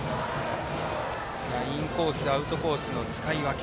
インコースアウトコースの使い分け。